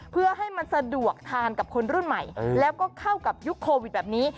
เพื่อให้มันสะดวกทานกับคนรุ่นใหม่แล้วก็เข้ากับยุคโควิดแบบนี้